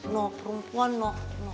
no perempuan no